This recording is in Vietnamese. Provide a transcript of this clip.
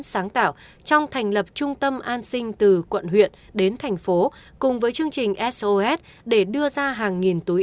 sáng tạo trong thành lập trung tâm an sinh từ quận huyện đến thành phố cùng với chương trình sos để đưa ra hàng nghìn túi